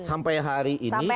sampai hari ini kita bicara